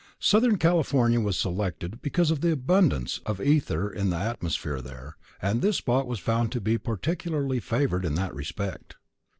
_Southern California was selected because of the abundance of ether in the atmosphere there, and this spot was found to be particularly favored in that respect.